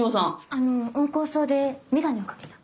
あの温厚そうで眼鏡をかけた？